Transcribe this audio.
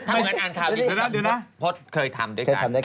ถ้างั้นอ่านข่าวนี้คุณกับคุณพจน์เคยทำด้วยกัน